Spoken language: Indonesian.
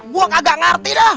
gue kagak ngerti dah